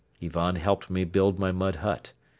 Ivan helped me build my mud hut.